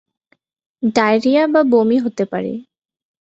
Diarrhoea বা বমি হতে পারে।